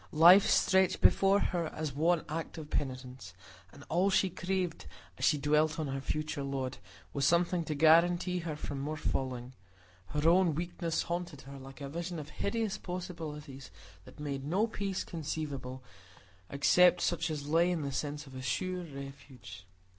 Life stretched before her as one act of penitence; and all she craved, as she dwelt on her future lot, was something to guarantee her from more falling; her own weakness haunted her like a vision of hideous possibilities, that made no peace conceivable except such as lay in the sense of a sure refuge.